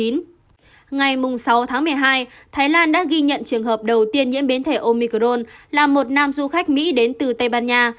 ngày sáu tháng một mươi hai thái lan đã ghi nhận trường hợp đầu tiên nhiễm biến thể omicron là một nam du khách mỹ đến từ tây ban nha